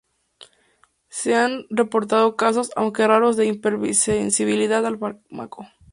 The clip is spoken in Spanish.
Se han reportado casos, aunque raros de hipersensibilidad al fármaco.